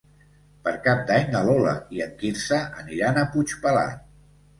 Per Cap d'Any na Lola i en Quirze aniran a Puigpelat.